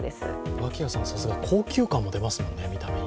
脇屋さん、さすが高級感も出ますもんね、見た目に。